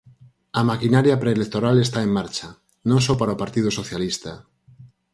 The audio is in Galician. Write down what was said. A maquinaria preelectoral está en marcha, non só para o Partido Socialista.